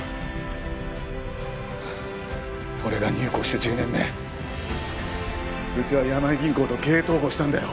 俺が入行して１０年目うちは山井銀行と経営統合したんだよ。